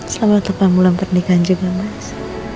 selamat delapan bulan pernikahan juga mas